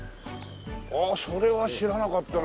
ああそれは知らなかったな。